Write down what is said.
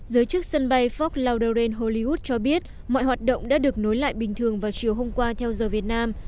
giới chức sân bay forb loudoren hollywood cho biết mọi hoạt động đã được nối lại bình thường vào chiều hôm qua theo giờ việt nam